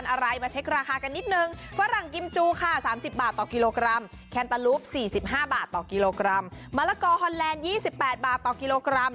กลมแคมป์ตระรุพสี่สิบห้าบาทต่อกิโลกรัมมะละกอฮอนแหลนด์ยี่สิบแปดบาทต่อกิโลกรัม